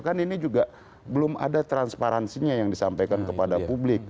kan ini juga belum ada transparansinya yang disampaikan kepada publik